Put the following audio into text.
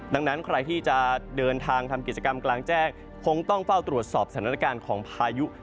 ดังนั้นใครที่จะเดินทางทำกิจกรรมกลางแจ้งคงต้องเฝ้าตรวจสอบสถานการณ์ของพายุ